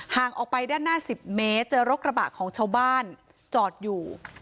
ออกไปด้านหน้า๑๐เมตรเจอรถกระบะของชาวบ้านจอดอยู่